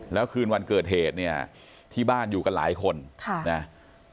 แล้วคืนวันเกิดเหตุเนี่ยที่บ้านอยู่กันหลายคนค่ะนะ